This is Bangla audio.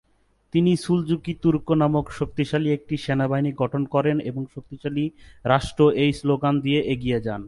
তিনি ‘’সুলজুকি তুর্ক’’ নামক শক্তিশালী একটি সেনাবাহিনী গঠন করেন এবং ‘’শক্তিশালী রাষ্ট্র’’ এই শ্লোগান দিয়ে এগিয়ে যান।